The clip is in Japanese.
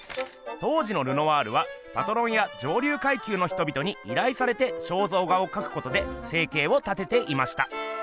当時のルノワールはパトロンや上流階級のひとびとにいらいされて肖像画をかくことで生計を立てていました。